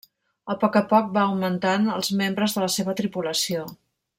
A poc a poc va augmentant els membres de la seva tripulació.